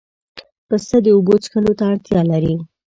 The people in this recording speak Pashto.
پسه د اوبو څښلو ته اړتیا لري.